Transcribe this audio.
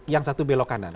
yang satu belok kanan